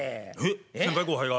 えっ先輩後輩が？